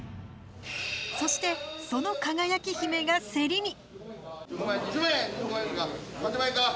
そして、その輝姫がセリに。